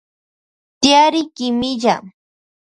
Tiyari kimilla.